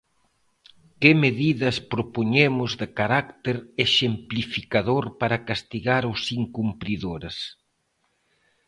¿Que medidas propoñemos de carácter exemplificador para castigar os incumpridores?